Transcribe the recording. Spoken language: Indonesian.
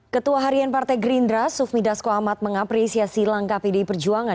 ketua harian partai gerindra sufmi dasko ahmad mengapresiasi langkah pdi perjuangan